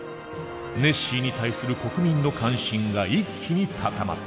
ネッシーに対する国民の関心が一気に高まった。